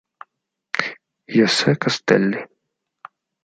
José Castelli